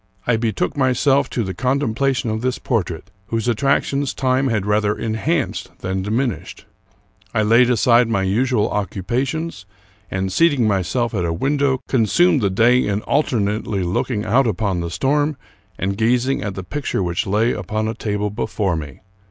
I betook myself to the contempla tion of this portrait, whose attractions time had rather enhanced than diminished. I laid aside my usual occu pations, and, seating myself at a window, consumed the day in alternately looking out upon the storm and gazing at the picture which lay upon a table before me.